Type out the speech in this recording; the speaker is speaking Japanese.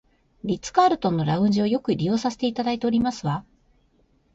リッツカールトンのラウンジをよく利用させていただいておりますわ